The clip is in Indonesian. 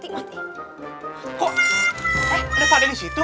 kok ada pak ade disitu